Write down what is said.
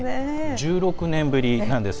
１６年ぶりなんですね。